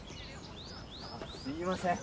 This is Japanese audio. すいません。